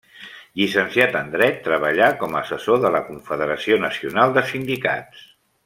Llicenciat en dret, treballà com a assessor de la Confederació Nacional de Sindicats.